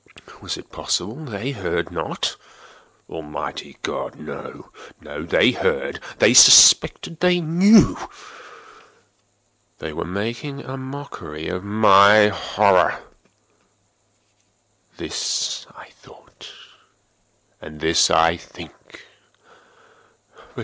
Was it possible they heard not? Almighty God!—no, no! They heard!—they suspected!—they knew!—they were making a mockery of my horror!—this I thought, and this I think.